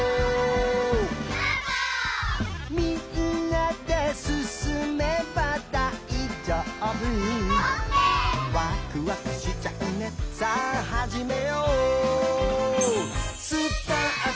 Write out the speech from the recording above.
「みんなですすめばだいじょうぶ」「わくわくしちゃうねさあはじめよう」「すたあと」